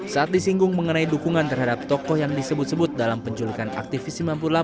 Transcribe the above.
saat disinggung mengenai dukungan terhadap tokoh yang disebut sebut dalam penculikan aktivis sembilan puluh delapan